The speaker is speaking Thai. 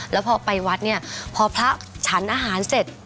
แล้วพอไปวัดเนี่ยพอพระฉันอาหารเสร็จ